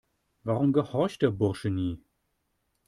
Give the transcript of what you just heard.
Warum gehorcht der Bursche nie?